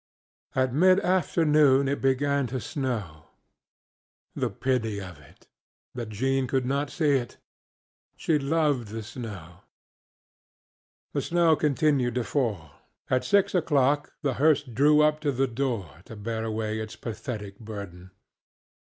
_ At mid afternoon it began to snow. The pity of itŌĆöthat Jean could not see it! She so loved the snow. The snow continued to fall. At six oŌĆÖclock the hearse drew up to the door to bear away its pathetic burden.